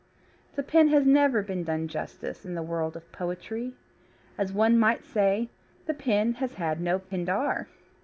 The pin has never been done justice in the world of poetry. As one might say, the pin has had no Pindar.